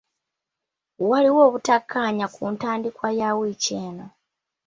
Waliwo obutakkaanya ku ntandikwa ya wiiki eno.